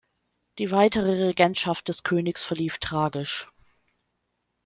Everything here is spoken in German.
Die weitere Regentschaft des Königs verlief tragisch.